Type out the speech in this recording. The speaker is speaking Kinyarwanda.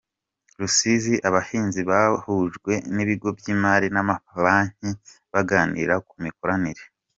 Rusizi Abahinzi bahujwe n’ibigo by’imari n’amabanki baganira ku mikoranire